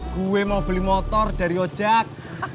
gue mau beli motor dari ojek